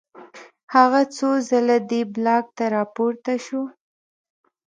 هغه څو ځله دې بلاک ته راپورته شو